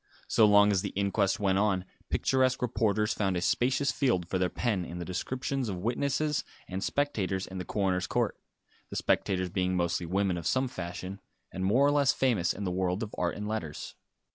So long as the inquest went on, picturesque reporters found a spacious field for their pen in the descriptions of witnesses and spectators in the coroner's court; the spectators being mostly women of some fashion, and more or less famous in the world of art and letters.